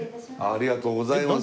ありがとうございます